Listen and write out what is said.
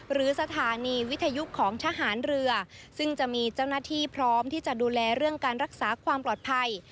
หรือสถานีวิทยุของทหารเรือซึ่งจะมีเจ้าหน้าที่พร้อมที่จะดูแลเรื่องการรักษาความปลอดภัย